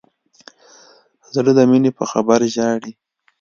زړه د مینې په خبر ژاړي.